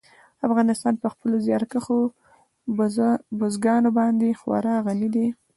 افغانستان په خپلو زیارکښو بزګانو باندې خورا غني دی.